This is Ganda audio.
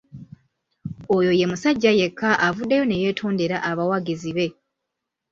Oyo ye musajja yekka avuddeyo ne yeetondera abawagizi be.